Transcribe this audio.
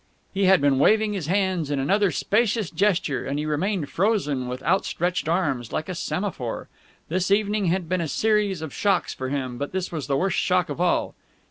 He had been waving his hands in another spacious gesture, and he remained frozen with outstretched arms, like a semaphore. This evening had been a series of shocks for him, but this was the worst shock of all.